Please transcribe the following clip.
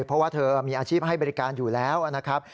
เพราะว่าเธอมีอาชีพให้บริการอยู่แล้วนะครับ